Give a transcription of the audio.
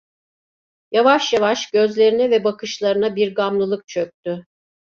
Yavaş yavaş gözlerine ve bakışlarına bir gamlılık çöktü.